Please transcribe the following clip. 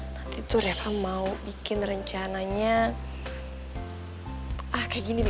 nanti tuh reva mau bikin rencananya kayak gini bi